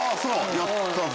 やったぜ！